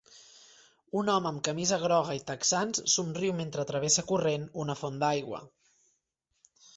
Un home amb camisa groga i texans somriu mentre travessa corrent una font d'aigua.